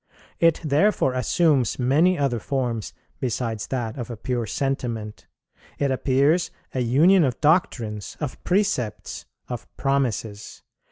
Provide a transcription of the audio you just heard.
It therefore assumes many other forms beside that of a pure sentiment; it appears a union of doctrines, of precepts, of promises.